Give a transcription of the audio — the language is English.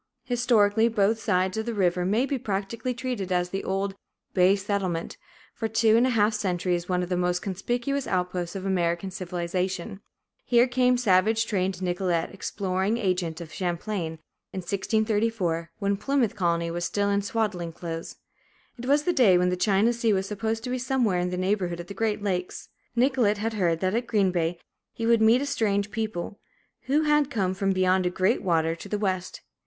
Historically, both sides of the river may be practically treated as the old "Bay Settlement" for two and a half centuries one of the most conspicuous outposts of American civilization. Here came savage trained Nicolet, exploring agent of Champlain, in 1634, when Plymouth colony was still in swaddling clothes. It was the day when the China Sea was supposed to be somewhere in the neighborhood of the Great Lakes. Nicolet had heard that at Green Bay he would meet a strange people, who had come from beyond "a great water" to the west.